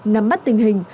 nắm bắt tình hình